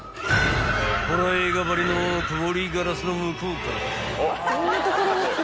［ホラー映画ばりの曇りガラスの向こうから］